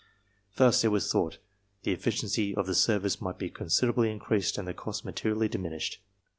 Thus, it was thought, the efficiency of the service might be considerably increased and the costs materially diminished.